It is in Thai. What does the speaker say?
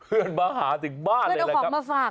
เพื่อนเอาของมาฝากเหรอคะเพื่อนมาดูลูกหมาไงหาถึงบ้านเลยแหละครับ